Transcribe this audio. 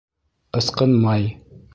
Ысҡынмай!